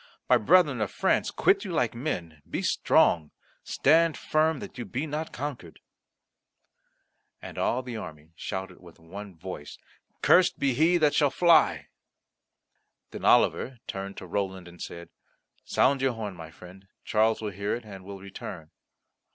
My brethren of France, quit you like men, be strong; stand firm that you be not conquered." And all the army shouted with one voice, "Cursed be he that shall fly." Then Oliver turned to Roland, and said, "Sound your horn; my friend, Charles will hear it, and will return."